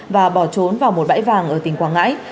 và bỏ trốn vào một bãi vàng ở tỉnh quảng ngãi